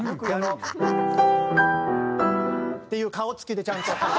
っていう顔つきでちゃんと。